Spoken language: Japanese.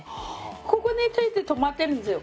ここについて止まってるんですよ。